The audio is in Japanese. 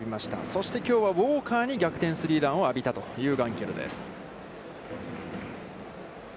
そして、きょうはウォーカーに逆転スリーランを浴びたというガンケルです。